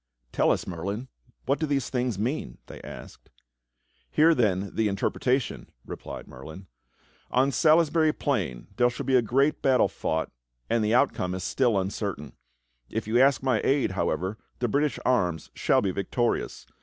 ."Tell us. Merlin, what do these things mean.?" they asked. "Hear, then, the interpretation," replied Merlin. "On Salis bury Plain there shall be a great battle fought, and the outcome is still uncertain. If you ask my aid, however, the British arms shall be victorious.